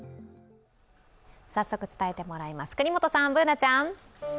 早速伝えてもらいます、國本さんＢｏｏｎａちゃん。